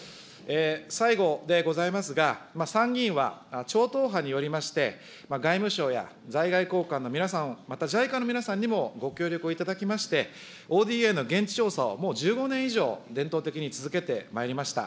最後でございますが、参議院は超党派によりまして、外務省や在外公館の皆さん、またＪＩＣＡの皆さんにもご協力をいただきまして、ＯＤＡの現地調査を、もう１５年以上、伝統的に続けてまいりました。